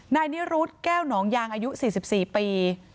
นายนิรุธแก้วหนองยางอายุ๔๔ปี